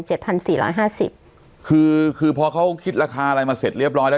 พันสี่ร้อยห้าสิบคือคือพอเขาคิดราคาอะไรมาเสร็จเรียบร้อยแล้ว